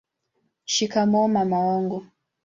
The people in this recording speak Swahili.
shikamoo mama wangu